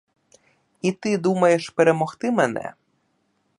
І ти думаєш перемогти мене?